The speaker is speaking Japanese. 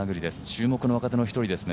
注目の若手の１人です。